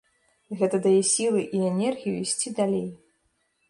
Гэта дае сілы і энергію ісці далей.